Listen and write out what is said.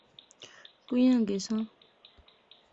کوئیاں گیساں؟